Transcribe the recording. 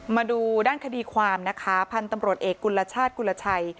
มาดูด้านคดีความนะคะพี่ปริศนภรรย์พรรณตำรวจเอกกุลชาติกุลละชัย